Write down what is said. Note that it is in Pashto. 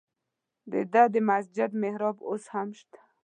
د ده د سجدې محراب اوس هم شته.